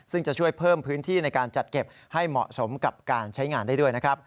ซึ่งจะช่วยเพิ่มพื้นที่ในการจัดเก็บให้เหมาะสมกับการใช้งานได้ด้วยนะครับ